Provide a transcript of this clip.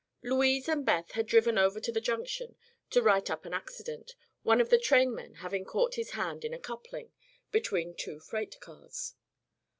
Louise and Beth had driven over to the Junction to write up an accident, one of the trainmen having caught his hand in a coupling, between two freight cars.